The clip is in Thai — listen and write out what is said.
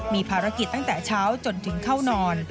มีภารกิจตั้งแต่เช้าจนถึงเข้านอน